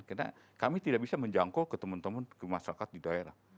karena kami tidak bisa menjangkau ke temen temen ke masyarakat di daerah